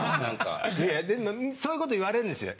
いやそういうこと言われるんですよ。